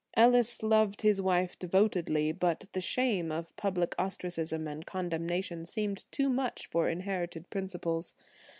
Ellis loved his wife devotedly, but the shame of public ostracism and condemnation seemed too much for inherited principles.